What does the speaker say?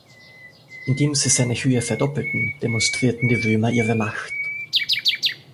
Indem sie seine Höhe verdoppelten, demonstrierten die Römer ihre Macht.